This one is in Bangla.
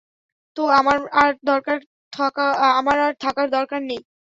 তো আমার আর থাকার দরকার নেই।